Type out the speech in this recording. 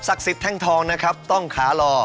ศักดิ์สิทธิ์แท่งทองนะครับต้องขาลอ